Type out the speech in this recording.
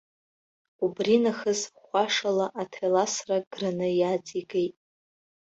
Убринахыс хәашала аҭел асра граны иааҵигеит.